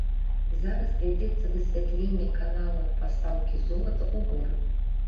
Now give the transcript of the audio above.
Зараз вядзецца высвятленне каналаў пастаўкі золата ў горад.